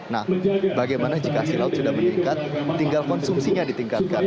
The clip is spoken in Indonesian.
nah bagaimana jika hasil laut sudah meningkat tinggal konsumsinya ditingkatkan